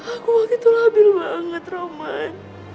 aku begitu labil banget roman